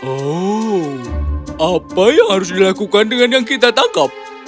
oh apa yang harus dilakukan dengan yang kita tangkap